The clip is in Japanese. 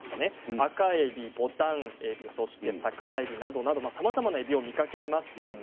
アカエビ、ボタンエビ桜えびなどさまざまなえびを見かけますよね。